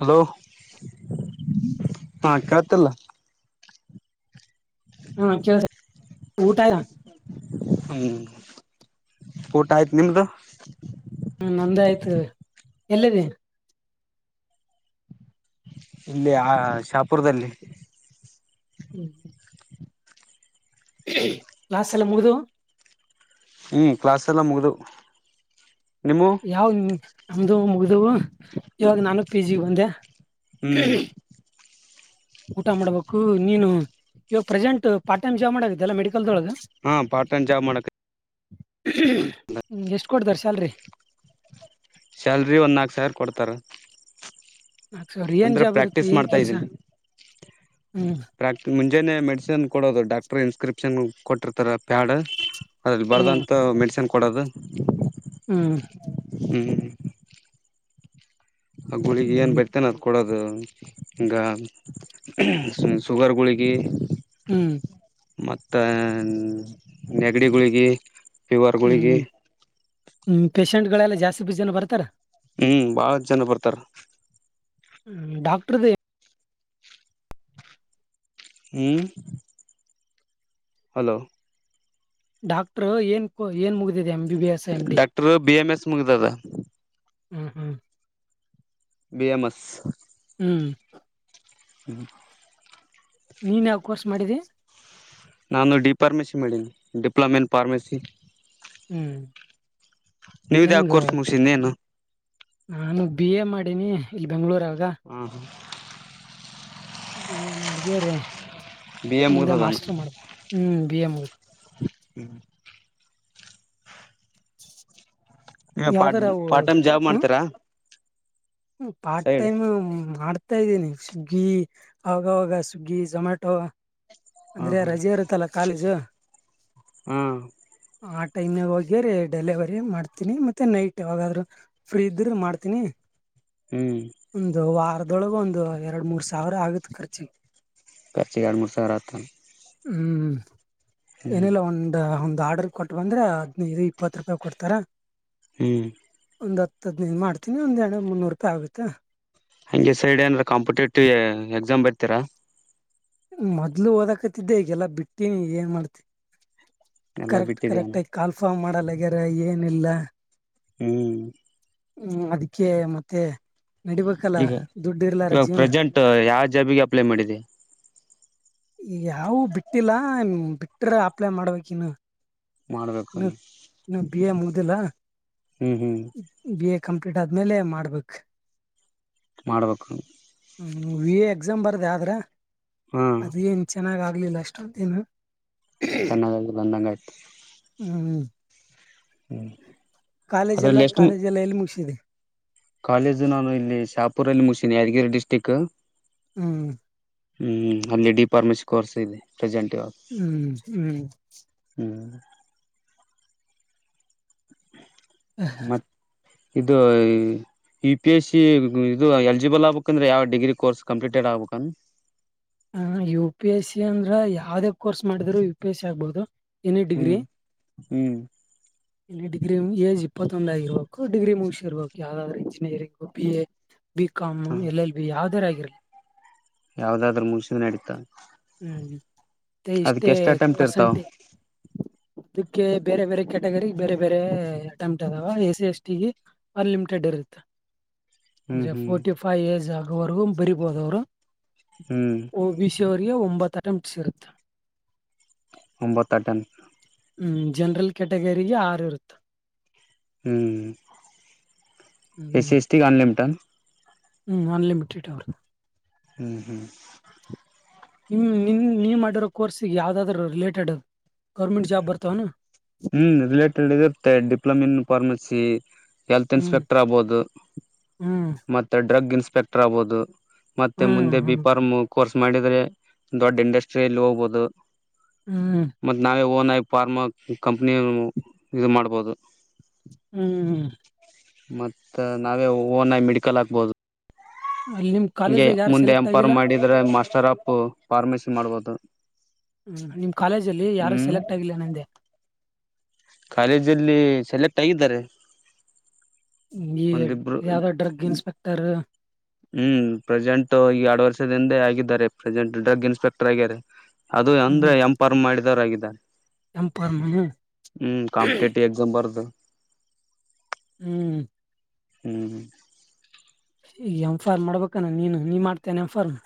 Hello ಹಾ ಕಳ್ತಿಲ್ಲ ಹಾ ಕೇಳ ಊಟಯಾ ಹ್ಮ್ ಊಟ ಆಯ್ತು ನಿಮ್ದು ಹ್ಮ ನಂದ ಆಯ್ತು ಎಲ್ಲಿದ್ದೀ ಇಲ್ಲಿ ಆ ಶಾಪುರದಲ್ಲಿ ಹ್ಮ್ ಕ್ಲಾಸ್ ಎಲ್ಲ ಮುಗಿದ ಹ್ಞ ಕ್ಲಾಸ್ೆಲ್ಲ ಮುಗಿದ ನಿಮ್ಮ ಯಾವ ನಮ್ದ ಮುಗ್ದ ಇವಾಗ ನಾನು ಪಿ ಜಿ ಒಂದೆ ಹ್ಮ್ ಊಟ ಮಾಡ್ಬೇಕು ನೀನು ಇವಾಗ ಪ್ರೆಸೆಂಟ್ ಪಾರ್ಟ್ ಟೈಮ್ ಜಾಬ್ ಮಾಡಗತ್ತಲ್ಲಾ ಮೆಡಿಕಲ್ದೊಳಗೆ ಹಾ ಪಾರ್ಟ್ ೈಮ್ಾಬ್ ಮಾಡಕ್ ಹ್ಮ ಎಷ್ಟು ಕೊಡ್ತಾರ ಸ್ಯಾಲ್ರಿ ಸ್ಯಾಲ್ರಿ ಒಂದು ನಾಲ್ಕು ಸಾವಿರ ಕೊಡ್ತಾರೆ ನಾಕ್ ಸಾವಿರ ಏನ್ ಅಂದ್ರೆ ಜಾಬ್ ಇರುತ್ತೆ ಪ್ರಾಕ್ಟೀಸ್ ಏನ್ ಮಾಡ್ತಾ ಕೆಲ್ಸ ಇದ್ದೀನಿ. ಹ್ಮ್ ಪ್ರಾಕ್ ಮುಂಜಾನೆ ಮೆಡಿಸಿನ್ ಕೊಡೋದು ಡಾಕ್ಟರ್ ಇನ್ಸ್ಕ್ರಿಪ್ಷನ್ ಕೊಟ್ಟಿರ್ತಾರ ಪ್ಯಾಡ್. ಅದ್ರಲ್ಲಿ ಹ್ಮ್ ಬರ್ದಂತ ಮೆಡಿಸಿನ್ ಕೊಡದು ಹ್ಮ್ ಹ್ಮ್್ಮ ಆ ಗುಳಿಗೆ ಏನ್ ಹ್ಮ್ ಬಡ್ತೇನ ಕೊಡದು ಗಾ ಶುಗಾರ್ಗಳುಳಿಗೆ ಹ್ಮ್ ಮತ್ತು ನೆಗಡಿಗುಳಿಗೆ ಹ್ಮ್್ಮ ಹ್ಮ ಪೇಷಂಟ್ ಗಳೆಲ್ಲ ಜಾಸ್ತಿ ಬ ಜನ ಬರ್ತಾರಾ ಹ್ಮ್ ಬಾಳ ಜನ ಬರ್ತಾರಾ. ಹ್ಮ ಡಾಕ್ಟರುದು. ಹ್ಮ್. ಹಲೋ. ಡಾಕ್ಟರ್ ಏನ್ ಏನ್ ಮುಗಿದಿದೆ M B B S M D. Doctor B M S ಮುಗ್ದದ ಹ್ಮ್ ಹ್ಮ್. ಬಿ ಎಮ್ ಮಸ್. ಹ್ಮ್. ಹ್ಮ್. ನೀನ್ ಯಾವ್ ಕೋರ್ಸ್ ಮಾಡಿದಿ. ನಾನು ಡಿ ಫಾರ್ಮಸಿ ಮಾಡೀನಿ ಡಿಪ್ಲೊಮೆನ್ ಫಾರ್ಮಸಿ ‌. ಹ್ಮ್. ನೀವ್ದ ಆ ಹೆಂಗ ಕೋರ್ಸ್ ಮುಗಸಿನಿ ಇನ್ ಏನು. ನಾನು ಬಿ ಎ ಮಾಡೀನಿ ಇಲ್ಲಿ ಬೆಂಗ್ಳೂರಾಗ. ಹಾ. ಬಿ ಎ ಮಾಡ್ಗ್ಯರೆ ಬಿ ಎ ಮುಂದೆ ಮಾಸ್ಟರ್ ಮುಗ್ದದಾನ ಮಾಡ್ಬೆಕ್ ಹ್ಮ ಬಿ ಎ ಮುಗ್ದ್ ಹ್ಮ್. [unintelligible] ಪಾರ್ಟ್ ಯಾವ್ದಾರ ಅವು ಪಾರ್ಟ್ ಟೈಮ್ ಜಾಬ್ ಮಾಡ್ತೀರಾ. ಹ್ಮ್ ಪಾರ್ಟ್ ಸೈಡ್ ಟೈಮ್ ಮಾಡ್ತ್ ತಾ ಇದ್ದೀನಿ ಸ್ವಿಗ್ಗಿ ಆವಾಗವಾಗ ಸ್ವಿಗ್ಗಿ ಝೊಮಾಟೊ ಹ ಅಂದ್ರೆ ಹ ರಜೆ ಇರುತ್ತಲ್ಲ ಕಾಲೇಜು. ಹ್ಮ್. ಆ ಟೈಮಿಗ್ ಹೋಗಿ ಡೆಲಿವರಿ ಮಾಡ್ತೀನಿ ಮತ್ತೆ ನೈಟ್ ಯಾವಾಗಾದ್ರು ಫ್ರೀ ಇದ್ರ ಮಾಡ್ತೀನಿ. ಹ್ಮ್. ಒಂದು ವಾರದೊಳಗ ಒಂದು ಎರಡ್ ಮೂರ್ ಸಾವಿರ ಆಗುತ್ತ ಖರ್ಚಿಗೆ. ಖರ್ಚಿಗ್ ಎರ್ಡ್ ಮೂರ್ ಸಾವಿರ ಆತಂತ. ಹ್ಮ್ ಏನಿಲ್ಲ ಒಂದು ಒಂದು ಆರ್ಡರ್ ಕೊಟ್ಟ್ಬಂದ್ರೆ ಹದ್ನೈದು ಇಪ್ಪತ್ತು ರೂಪಾಯಿ ಕೊಡ್ತಾರ. ಹ್ಮ್. ಒಂದು ಹತ್ತ್ ಹದಿನೈದು ಮಾಡ್ತಿನಿ ಒಂದು ಎರ್ಡ್ನೂರ್ ಮುನ್ನೂರು ರೂಪಾಯಿ ಆಗುತ್ತೆ. ಹಂಗೆ ಸೈಡ್ ಏನಾರ ಕಾಂಪಿಟೇಟಿವ್ ಎಕ್ಸಾಮ್ ಬರ್ತೀರಾ. ಮೊದ್ಲು ಓದಕತಿದ್ದೆ ಈಗೆಲ್ಲಾ ಬಿಟ್ಟೀನಿ ಏನ್ ಮಾಡ್ತಿ ಎಲ್ಲಾ ಕರೆಕ್ಟ್ ಬಿಟ್ಟಿದ್ಯಾನ ಕರೆಕ್ಟ್ ಆಯ್ತ್ ಕಾಲ್ಫಾರ್ ಮಾಡಲ್ಲಗ್ಯಾರ ಏನಿಲ್ಲ. ಹ್ಮ್. ಹ್ಮ್ ಅದಕ್ಕೆ ಮತ್ತೆ ನಡಿಬೇಕಲ್ಲ ದುಡ್ಡು ಇರ್ಲಾರ ಜೀವನ. ಇದು ಯಾವ ಜಾಬಿಗೆ ಅಪ್ಲೈ ಮಾಡಿದಿ. ಈಗ್ ಯಾವು ಬಿಟ್ಟಿಲ್ಲ ಬಿಟ್ರೆ ಅಪ್ಲೈ ಮಾಡ್ಬೇಕ್ ಇನ್ನು. ಇನ್ನು ಮಾಡ್ಬೇಕನ್ನು. ಇನ್ನು ಬಿ ಎ ಮುಗ್ದಿಲ್ಲಾ. ಹ್ಮ್ ಹ್ಮ್. ಬಿ ಎ ಕಂಪ್ಲೀಟ್ ಆದ್ಮೇಲೆ ಮಾಡ್ಬೇಕ್. ಮಾಡ್ಬೇಕು. ಹ್ಮ್ ವಿ ಎ ಎಕ್ಸಾಮ್ ಬರ್ದೇ ಆದ್ರೆ ಹಾ ಅದೇನ್ ಚೆನ್ನಾಗ್ ಆಗ್ಲಿಲ್ಲ ಅಷ್ಟೊಂದೇನು. ಚೆನ್ನಾಗಾಗಿ ಬಂದಂಗಾಯ್ತು. ಹ್ಮ್. ಹ್ಮ್. ಕಾಲೇಜೆಲ್ಲ ಅದ್ರಲ್ಲಿ ಎಷ್ಟು ಕಾಲೇಜ್ ಎಲ್ಲ ಎಲ್ಲಿ ಮುಗಿಸಿದಿ. ಕಾಲೇಜು ನಾನು ಇಲ್ಲಿ ಶಾಪುರಲ್ಲಿ ಮುಗಿಸಿನಿ ಯಾದಗಿರಿ ಡಿಸ್ಟ್ರಿಕ್. ಹ್ಮ್. ಹ್ಮ್ ಅಲ್ಲಿ ಡಿಫಾರ್ಮಸಿ ಕೋರ್ಸ್ ಇದೆ ಪ್ರೆಸೆಂಟ್ ಇವಾಗ. ಹ್ಮ್ ಹ್ಮ್. ಹ್ಮ್. ಮತ್ತ್ ಇದುಯ್ ಯು ಪಿ ಎಸ್ ಸಿ ಇದು ಎಲಿಜಿಬಲ್ ಆಗ್ಬೇಕಂದ್ರೆ ಯಾವ ಡಿಗ್ರಿ ಕೋರ್ಸ್ ಕಂಪ್ಲೀಟೆಡ್ ಆಗ್ಬೇಕನ. ಹಾ ಯು ಪಿ ಎಸ್ ಸಿ ಅಂದ್ರ ಯಾವ್ದೇ ಕೋರ್ಸ್ ಮಾಡಿದ್ರು ಯು ಪಿ ಎಸ್ ಸಿ ಆಗ್ಬಹುದು ಎನಿ ಡಿಗ್ರಿ. ಹ್ಮ್ ಹ್ಮ್. ಇಲ್ಲಿ ಡಿಗ್ರಿ ಏಜ್ ಇಪ್ಪತ್ತೊಂದ ಆಗಿರ್ಬೇಕು ಡಿಗ್ರಿ ಮುಗಿಸಿರ್ಬೇಕು ಯಾವ್ದಾದ್ರ್ರು engineering B A B com ಹ ಎಲ್ ಎಲ್ ಬಿ ಯಾವ್ದರ ಆಗಿರಲಿ ಯಾವ್ದಾದ್ರರು ಮುಗಿಸಿದ್ರೆ ನಡೀತಾ ಹ್ಮ್ ಅದಕ್ಕೆ ಇಷ್ಟೇ ಎಷ್ಟ್ ಅಟೆಂಪ್ಟ್ ಇರ್ತಾವ ಪರ್ಸಂಟ ಅಕ್ಕೆ ಬೇರೆ ಬೇರೆ ಕ್ಯಾಟಗರಿ ಬೇರೆ ಬೇರೆ ಟಂಟ್ ಅದಾವ ಎ ಸಿ ಎಸ್ ಟಿಿಗೆ ಅನ್ಲಿಮಿಟೆಡ್ ಇರುತ್ತೆ ಹ್ಮ್ ಅಂದ್ರೆ ಹ್ಮ್ ಫೋರ್ಟಿ ಫೈವ್ ಏಜ್ ಆಗುವವರೆಗೂ ಬರಿಬೋದವರು. ಹ್ಮ್. ಒ ಬಿ ಸಿ ಅವರಿಗೆ ಒಂಬತ್ತು ಅಟೆಂಪ್ಟ್ಸ್ ಇರುತ್ತೆ. ಒಂಬತ ಟನ್ ಹ್ಮ್ ಜನರಲ್ ಕ್ಯಾಟಗರಿಗೆ ಆರು ಇರುತ್ತೆ. ಹ್ಞ ಎಸ್ ಸಿ ಎಸ್ಟಿಗೆ ಅನ್ಲಿಮಟ. ಹ್ಮ ಅನ್ಲಿಮಿಡ್ ಅವ್ರ. ಹ್ಮ ಹ್ಮ್. ನಿಮ ನಿನ್ ನೀವು ಮಾಡಿರೋ ಕೋರ್ಸಿಗೆ ಯಾವವುದಾದ್ರರು ರಿಲೇಟೆಡ್ ಗೌರ್ಮೆಂಟ್ ಜಾಬ್ ಬರ್ತವನಾ. ಹ್ಮ್ ರಿಲೇಟೆಡ್ ಇ ಇರುತ್ತೆ ಡಿಪ್ಲೊಮೆನ್ ಫಾರ್ಮಸಿ. ಹೆಲ್ತ್ ಹ್ಮ್ ಇನ್ಸ್ಪೆಕ್ಟರ್ ಆಗ್ಬಹುದು ಹ್ಮ್ ಮತ್ತೆ ಡ್ರಗ್ ಇನ್ಸ್ಪೆಕ್ಟರ್ ಆಗ್ಬಹುದು. ಮತ್ತೆ ಹ್ಮ್ ಮುಂದೆ ಹ್ಮ್ ಬಿಫ್ಮ್ ಕೋರ್ಸ್ ಮಾಡಿದ್ರೆ ದೊಡ್ಡ ಇಂಡಸ್ಟ್ರಿಯಲ್ಲಿ ಹೋಗ್ಬಹುದು. ಹ್ಮ್. ಮತ್ತು ನಾವೇ ಓನ್ ಆಗಿ ಫಾರ್ಮಾ ಕಂಪ್ನಿ ಇದು ಮಾಡ್ಬೋದು. ಹ್ಮ್. ಮತ್ತ ನಾವೇ ಓನ್ ಮೆಡಿಕಲ್ ಹಾಕ್ಬಹದು. ಅಲ್ಲಿ ನಿಮ್. ಹಂಗೆ ಕಾಲೇಜ್ದಾಗ ಯಾರು ಮುಂದೆ ಸೆಲೆಕ್ಟ್ ಆಗಿಲ್ಲ ಇಂಫರ್ಮ್ ಮಾಡಿದ್ರೆ ಮಾಸ್ಟರ್ ಆಫ ಫಾರ್ಮಸಿ ಮಾಡ್ಬೋದು. ಹ್ಮ್ ನಿಮ್ ಕಾಲೇಜ ಅಲ್ಲಿ ಯಾರು ಹ್ಮ್ ಸೆಲೆಕ್ಟ್ ಆಗಿಲ್ಲ ನಂದೆ. ಕಾಲೇಜಲ್ಲಿ ಸೆಲೆಕ್ಟ್ ಆಗಿದ್ದಾರೆ. ಈ ಒಂದಿಬ್ರು ಯಾವ್ದೋ ಡ್ರಗ್ ಇನ್ಸ್ಪೆಕ್ಟರು. ಹ್ಮ್ ಪ್ರೆಸೆಂಟ್ ಈಗ ಎರಡು ವರ್ಷದಿಂದೆ ಆಗಿದ್ದಾರೆ ಪ್ರೆಸೆಂಟ್ ಡ್ರಗ್ ಇನ್ಸ್ಪೆಕ್ಟರ್ ಆಗ್ಯಿದ್ದಾರೆ ಅದು ಅಂದ್ರೆ ಹ್ಮ್ ಎಂಫಾರ್ಮ್ ಮಾಡಿದವರ ಆಗಿದ್ದಾರೆ ಎಂ ಫಾರ್ಮ್ ಹ್ಮ್ ಹಾಮ್ ಕಾಂಪಿಟೇಟಿವ್ ಎಕ್ಸಾಮ್ ಜಂಬಾರದ ಹಾಂ ಹಾಮ್ ಈಗ ಎಂಫಾರ್ಮಾ ಮಾಡ್ಬೇಕಾನ ನೀನು ನೀನ್ ಮಾಡ್ತೇನೆ ಎಂಫಾರ್ಮಾ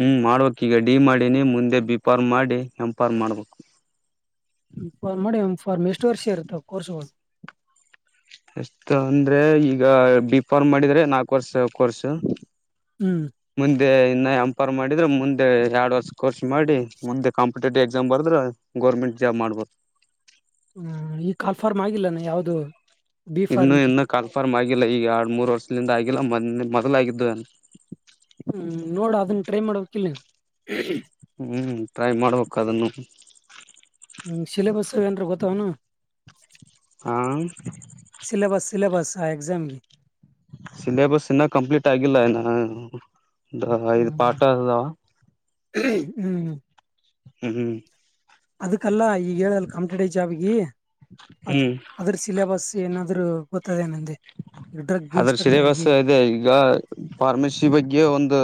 ಹಾಮ್ ಮಾಡ್ಬೇಕ್ ಈಗ ಡಿ ಮಾಡಿನಿ ಮುಂದೆ ಬಿ ಫಾರ್ಮ್ ಮಾಡಿ ಎಂ ಫಾರ್ಮ್ ಮಾಡ್ಬೇಕು ಫ್ಮ ಮಾಡಿ ಎಂಫಾರ್ಮ್ ಎಷ್ಟು ವರ್ಷ ಇರ್ತ್ತಾವ ಕೋರ್ಸ್ಗಳು. ಎಷ್ಟ ಅಂದ್ರೆ ಈಗ ಬಿಫಾರ್ಮಾ ಮಾಡಿದ್ರೆ ನಾಲ್ಕು ವರ್ಸ್ ಕೋರ್ಸ್. ಹ್ಮ್. ಮುಂದೆ ಇನ್ನ ಎಂಫಾರ್ಮಾ ರ್ ಮಾಡಿದ್ರೆ ಮುಂದೆ ಎರಡ್ ವರ್ಷ ಕೋರ್ಸ್ ಮಾಡಿ ಮುಂದೆ ಕಾಂಪಿಟೇಟಿವ್ ಎಕ್ಸಾಮ್ ಬರ್ದ್ರ. ಗೋರ್ಮಂಟ್ ಜಾಬ್ ಮಾಡಬೋ. ಹ್ಮ್ ಈ ಕಾಲ್ಫಾರ್ಮ್ ಆಗಿಲ್ಲಾನ. ಯಾವ್ದು ಬಿ ಇನ್ನು ಫಾರ್ಮ್ಗೆ ಎನ್ನ. ಕನ್ಫರ್ಮ್ ಆಗಿಲ್ಲ ಈಗ ಎರಡು ಮೂರು ವರ್ಷದಿಂದ ಆಗಿಲ್ಲ ಮೊದಲು ಮೊದಲಾಗಿದ್ದು ಹ್ಮ್ ನೋಡ ಅದನ್ನ ಟ್ರೈ ಮಾಡಬೇಕಕ್ಕಿಲ್ಲ ಹ್ಮ್ ಟ್ರೈ ಮಾಡಬೇಕು ಅದನ್ನು ನಿಮ್ಮ ಸಿಲಬಸ್ ಏನ್ರ ಗೊತ್ತಾವೇನು ಹಾ ಸಿಲೆಬಸ್ ಸಿಲೆಬಸ್ ಆ ಎಕ್ಸಮ್ ಗೆ? ಸಿಲೆಬಸ್ ಇನ್ನ ಕಂಪ್ಲೀಟ್ ಆಗಿಲ್ಲ ಇನ್ನ ಅಂದ್ರ ಇದ ಹ್ಮ್ ಪಾಠಾ ಅದು ಅದಾವ. [unintelligible] ಹ್ಮ್ ಹಂ ಅದಕಲ್ಲಾ ಈಗ ಹೇಳಲ್ ಕಾಂಪಿಟೇಟಿವ್ ಜಾಬಿಗಿ ಅದ ಹ್ಮ್ ಅದ್ರ ಸಿಲೆಬಸ್ ಏನಾದ್ರು. ಗೊತ್ತದ ಏನಂದೆ ಡ್ರಗ್ ಅದ್ರ ಇನ್ಸ್ಪೆಕ್ಟರ್ ಸಿಲೆಬಸ್ ಗಿ. ಇದೆ ಈಗ. ಫಾರ್ಮಸಿ ಬಗ್ಗೆ ಒಂದ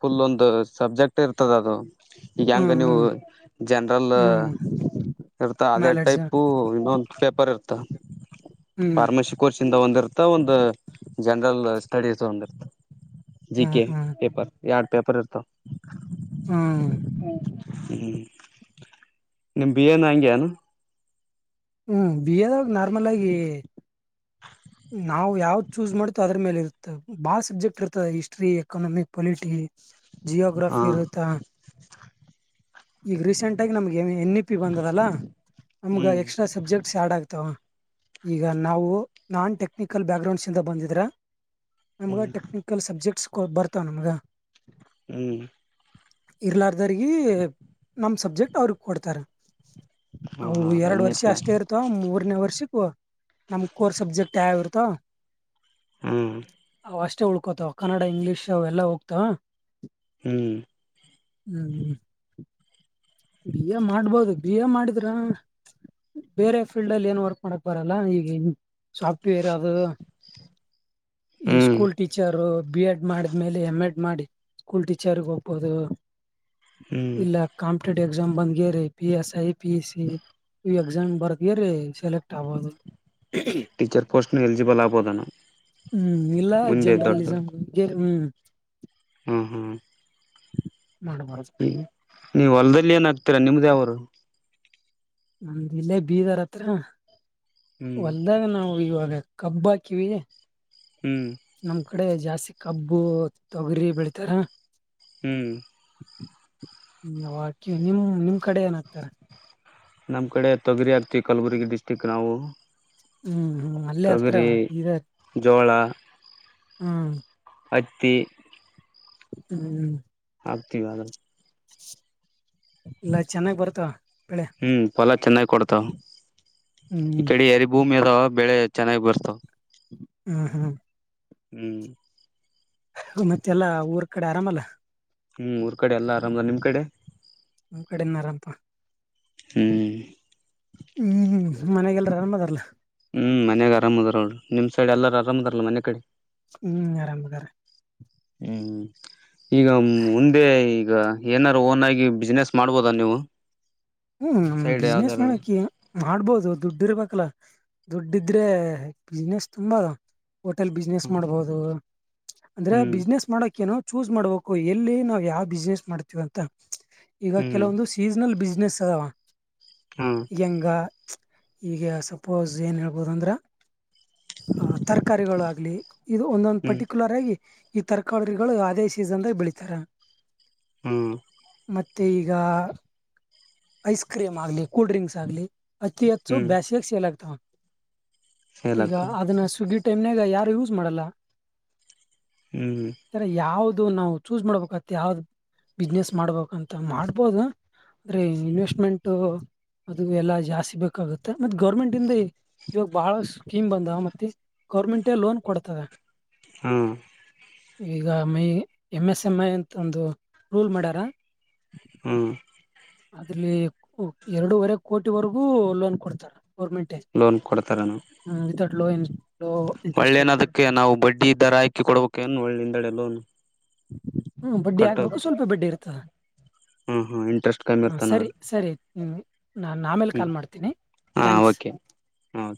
ಫುಲ್ ಒಂದ ಸಬ್ಜೆಕ್ಟ್ ಇರ್ತದ ಅದು. ಈಗ ಹೆಂಗ್ ಹ್ಮ್ ನೀವು ಹ್ಮ್ ಜನರಲ್ ಹ್ಮ್ ಇರ್ತಾ ಅದೇ ನಾಲೆಡ್ಜ್ ಟೈಪು ಇನ್ನೊಂದ ಪೇಪರ್ ಇರ್ತ ಹ್ಮ್ ಫಾರ್ಮಸಿ ಕೋರ್ಸಿಂದ ಒಂದಿರ್ತ ಒಂದ ಜನರಲ್ ಸ್ಟಡೀಸ್ ಒಂದಿರ್ತ. ಜಿ ಹ್ಮ್ ಕೆ ಹ್ಮ್ ಪೇಪರ್ ಯಾಡ ಪೇಪರ್ ಇರ್ತವ. ಹ್ಮ್ ಹ್ಮ್ ಹ್ಮ್ ನಿಮ್ ಬಿಎ ನೂ ಹಂಗೆ ಏನು? ಹ್ಮ್ ಬಿಎದಾಗ ನಾರ್ಮಲ್ ಆಗಿ ಹ ನಾವು ಯಾವ್ದ್ ಚೂಸ್ ಮಾಡ್ತು ಅದ್ರ ಮೇಲೆ ಇರ್ತವೆ ಬಾಳ ಸಬ್ಜೆಕ್ಟ್ ಇರ್ತದೆ ಹಿಸ್ಟ್ರಿ ಎಕನಮಿಕ್ ಪೊಲಿಟಿ. ಹಾ ಜಿಯೋಗ್ರಫಿ ಇರುತ್ತಾ. ಈಗ ರೀಸೆಂಟ್ ಆಗಿ ನಮಗ ಎನ್ ಎನ್ ಇ ಪಿ ಬಂದದಲ್ಲಾ ನಮ್ಗ ಹ್ಮ್ ಎಕ್ಸ್ಟ್ರಾ ಸಬ್ಜೆಕ್ಟ್ಸ್ ಆ್ಯಡ್ ಆಗ್ತಾವ. ಈಗ ನಾವು ನಾನ್ ಟೆಕ್ನಿಕಲ್ ಬ್ಯಾಕ್ಗ್ರೌಂಡಸ ಇಂದ ಬಂದಿದ್ರ ನಮ್ಗ ಹ್ಮ್ ಟೆಕ ಸಬ್ಜೆಕ್ಟ್ಸ್ ಗೋಳ ಬರ್ತಾವ ನಮಗ ಹ್ಮ್ ಇರ್ಲಾದವರಿಗಿ ನಮ ಸಬ್ಜೆಕ್ಟ್ ಅವರಿಗ ಕೊಡ್ತಾರ. ಹ ಅವು ಹಾ ಎರಡ ಎನ್ ಇ ವರ್ಷ ಪಿ ಅಷ್ಟೇ ಇರ್ತ ಮತ್ತ ಮೂರ್ನೇ ವರ್ಷಕ್ಕ ನಮ್ ಕೋರ್ ಸಬ್ಜೆಕ್ಟ್ ಯಾವ್ ಯಾವ್ ಇರ್ತಾವ್ ಹಂ ಅವ್ ಅಷ್ಟೇ ಉಳ್ಕೋತಾವ ಕನ್ನಡ ಇಂಗ್ಲೀಷ್ ಅವೆಲ್ಲಾ ಹೋಗ್ತಾವ. ಹ್ಮ ಹ್ಮ್ ಹ್ಮ್ ಬಿ ಎ ಮಾಡ್ಬೋದು ಬಿಎ ಮಾಡಿದ್ರ ಬೇರೆ ಫೀಲ್ಡ್ ಅಲ್ಲಿ ಏನ್ ವರ್ಕ್ ಮಾಡಕ್ ಬರಲ್ಲ ಈಗ ಹೆಂಗ್ ಸಾಫ್ಟ್ವೇರ್ ಅದು. ಈ ಹ್ಮ್ ಸ್ಕೂಲ್ ಟೀಚರ್ರೂ ಬಿ ಎಡ್ ಮಾಡಿದ್ಮೇಲೆ ಎಮ್ ಎಡ್ ಮಾಡಿ ಸ್ಕೂಲ್ ಟೀಚರ್ಗ ಹೋಗಬೋದು ಹ್ಮ್ ಇಲ್ಲ ಕಾಂ ಕಾಂಪಿಟೇಟಿವ್ ಎಕ್ಸಾಮ್ ಬಂದಗೆರೆ P S I P C ಈ ಎಕ್ಸಾಮ್ ಬರದ್ಗೆರೆ ಸೆಲೆಕ್ಟ್ ಆಗೋದು. ಟೀಚರ್ ಪೋಸ್ಟ್ನು ಎಲಿಜಿಬಲ್ ಆಗ್ಬೋದನ ಹ್ಮ್ ಇಲ್ಲ ಮುಂದೆ ದೊಡ್ಡ ಜರ್ನಲಿಸಮ್ ಗೆರಿ ಹ್ಮ್. ಹಂ ಹಂ ಮಾಡ್ಬಾರ್ದ. ಈ ನೀವ್ ಹೊಲದಲ್ಲಿ ಏನ್ ಹಾಕ್ತೀರಾ ನಿಮ್ದ ಯಾವೂರ? ನಮ್ದ ಇಲ್ಲೇ ಬೀದರ ಹತ್ತಿರ ಹ್ಮ್ ಹೊಲ್ದಾಗ ನಾವು ಇವಾಗ ಕಬ್ಬ ಹಾಕಿವಿ. ಹ್ಮ್ ನಮ್ ಕಡೆ ಜಾಸ್ತಿ ಕಬ್ಬು ತೊಗರಿ ಬೆಳತಾರ. ಹ್ಮ್ ಹಾಕಿ ನಿಮ ನಿಮ್ ಕಡೆ ಏನಾಗ್ತಾರೆ ನಮ್ಮ್ ಕಡೆ ತೊಗರಿ ಆಗ್ತಿವಿ ಕಲಬುರ್ಗಿ ಡಿಸ್ಟ್ರಿಕ್ ನಾವು ಹ್ಮ್ ಹ್ಮ್ ಅಲ್ಲ ತೊಗರಿ ಅತ್ರಲ್ಲ ಗೀದ ಜೋಳ ಹ್ಮ್ ಹತಿ ಹ್ಮ್ ಹಗ್ತಿವಾದ ಇಲ್ಲ ಚೆನ್ನಾಗ್ ಬರ್ತಾವ ಬೆಳೆ ಹ್ಮ್ ಫಲ ಚೆನ್ನಾಗ್ ಕೊಡ್ತಾವ ಈ ಹ್ಮ್ ಕಡೆ ಎರಿ ಭೂಮಿ ಅದಾವ ಬೆಳೆ ಚೆನ್ನಾಗಿ ಬರ್ಸ್ತಾವ ಹ್ಮ್ ಹ್ಮ್ ಹ್ಮ್ ಮತ್ತೆಲ್ಲಾ ಊರ್ ಕಡೆ ಆರಾಮಲ್ಲ ಹ್ಮ್ೂಊರ್ ಕಡೆ ಎಲ್ಲಾರಾಮದ ನಿಮ್ ಕಡೆ ಹಮ್ಮ್ ಕಡೆನಾರಂಪ್ಪ ಹ್ಮ್ ಹ್ಮ್ ಹ್ಮ್ ಮನೆಗೆಲ್ ಆರನ್ದಾರಲ್ಲ ಹ್ಮ್ ಮನ್ಯಾಗ ಆರಾಮ ಅದಾರ ಅವರು ನಿಮ್ ಸೈಡ್ ಎಲ್ಲಾರ ಅರ್ದಲ್ಲ ಮನೆ ಕಡೆ ಹ್ಮ್ ಆರಾಮದಾರೆ ಹ್ಮ್ ಈಗ ಒಂದೇ ಈಗ ಏನಾದಾರು ಓನ್ ಆಗಿ ಬಿಸ್ನೆಸ್ ಮಾಡ್ಬೋದ ನೀವು ಹ್ಮ್ ಸೈಡ್ ಬಿಸ್ನೆಸ್ ಯಾವ್ದಾರ ಮಾಡಕಿ ಮಾಡ್ಬೋದು ದುಡ್ಡಿ ಇರ್ಬೇಕಲ್ಲ ದುಡ್ಡ ಇದ್ರೆ ಬಿಸಿನೆಸ್ ತುಂಬಾ ಅದ ಹೋಟೆಲ್ ಬಿಸ್ನೆಸ್ ಹ್ಮ್ ಮಾಡ್ಬಹುದು ಅಂದ್ರೆ ಹ್ಮ್ ಬಿಸ್ನೆಸ್ ಮಾಡಕ ಏನು ಚೂಸ್ ಮಾಡ್ಬೇಕು ಎಲ್ಲಿ ನಾವವು ಯಾವ ಬಿಸ್ನೆಸ್ ಮಾಡ್ತೀವ ಅಂತ ಈಗ ಹ್ಮ್ ಕೆಲವೊಂದು ಸೀಸನಲ್ ಬಿಸ್ನೆಸ್ ಸದವಾ ಹಾ ಹೆಂಗ ಈೀಗ ಸಪೋಸ್ ಏನು ಹೇಳ್ಬೋದುಂದ್ರೆ ಆ ತರಕಾರಿಗಳು ಆಗ್ಲಿ ಇದು ಒಂದೊಂದು ಪರ್ಟಿಕ್ಯುಲರ್ ಆಗಿ ಈ ತರ್ಕಾರಿಗಳು ಅದೇ ಸೀಸನ್ ದಾಗ ಬೆಳಿತಾರೆ ಹಾ ಮತ್ತು ಈಗ ಐಸ್ ಕ್ರೀಮ್ ಆಗ್ಲಿ ಕೂಲ್ಡ್ ಡ್ರಿಂಕ್ಸ್ ಆಗ್ಲಿ ಅತಿ ಹೆಚ್ಚು ಹ್ಮ್ ಬ್ಯಾಸಿಯಾಗಿ ಸೇಲ್ ಆಗ್ತವ ಸೇಲ್ ಈಗ ಆಗ್ತಾವ ಅದನ್ನ ಸ್ವಿಗ್ಗಿ ಟೈಮ್ನಾಗ ಯಾರು ಯೂಸ್ ಮಾಡಲ್ಲ ಹ್ಮ್ ಹ್ಮ ಈರ ಯಾವ್ದು ನಾವು ಚೂಸ್ ಮಾಡ್ಬೇಕತ್ ಯಾವ್ದ್ ಬಿಸ್ನೆಸ್ ಮಾಡ್ಬೇಕಂತ ಮಾಡ್ಬೋದ ಅ ಇನ್ವೆಸ್ಟ್ಮೆಂಟ್ ಅದು ಎಲ್ಲಾ ಜಾಸ್ತಿ ಬೇಕಾಗುತ್ತೆ ಮತ್ತೆ ಗೌರ್ಮೆಂಟ್ ಇಂದ ಇವಾಗ ಬಹಳ ಸ್ಕೀಮ್ ಬಂದ ಮತ್ತೆ ಗೌರ್ಮೆಂಟ್ ಲೋನ್ ಕೊಡ್ತದೆ ಹಾ ಈಗ ಮೈ ಎಮ್ ಎಸ್ ಎಂ್ ಐ ಅಂತ ಒಂದು ರೂಲ್ ಮಾಡ್ಯಾರ ಹಾ ಅದ್ರಲ್ಲಿ ಎರಡೂವರೆ ಕೋಟಿಿವರೆಗೂ ಲೋನ್ ಕೊಡ್ತಾರೆ ಗೋರ್ಮೆಂಟ್ ಲೋನ್ ಕೊಡ್ತಾರನುಾ ಹ್ಮ ಇತಟ್ಲು ಎಂಟ್ೋ ಒಳ್ಳೇನೋದಕ್ಕೆ ನಾವು ಬಡ್ಡಿ ದರ ಆಾಕಿ ಕೊಡಬೇಕಏನ್ ಒಳ್ಳೆಿಂದಡೆ ಲೋನ್ ಹ್ಮ ಬಡ್ಡಿ ಕಟ್ಟೋದು ಆಗ್ಬೇಕು ಸ್ವಲ್ಪ ಬಡ್ಡಿ ಇರ್ತ ಹ್ಮ್ ಹ್ಮ್ ಇಂಟ್ರೆಸ್ಟ್ ಕಮ್ಮಿ ಹ್ಮ ಇರ್ತಾನ ಸರಿ ಅದ್ರ ಸರಿಮ ನ ನಾಮೇ ಹ್ಮ್ ಹಾ ಓಕೆ ಹಾೆ